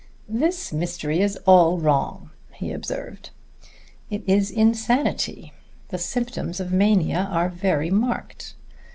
"This mystery is all wrong," he observed. "It is insanity. The symptoms of mania are very marked.